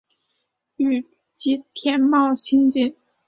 与吉田茂亲近。